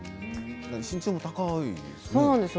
身長も高いですよね。